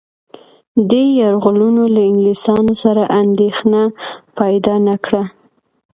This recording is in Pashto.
دې یرغلونو له انګلیسيانو سره اندېښنه پیدا نه کړه.